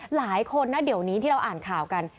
หลายคนนะเดี๋ยวนี้ที่เราอ่านข่าวกัน